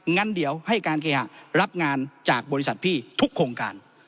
งั้นเดี๋ยวให้การเคหะรับงานจากบริษัทพี่ทุกโครงการ